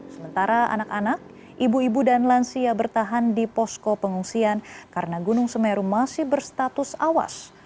sementara anak anak ibu ibu dan lansia bertahan di posko pengungsian karena gunung semeru masih berstatus awas